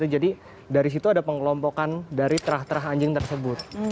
jadi dari situ ada pengkelompokan dari terah terah anjing tersebut